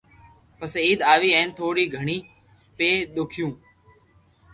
پسي عيد آوي ھين ٿوڙو گھڙو پيھئي دوکيو